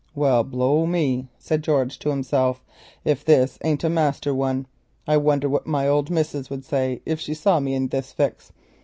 "Well, blow me!" said George to himself, "if this ain't a master one! I wonder what my old missus would say if she saw me in this fix.